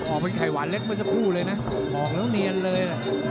ออกเป็นไข่หวานเล็กเมื่อสักครู่เลยนะออกแล้วเนียนเลยนะ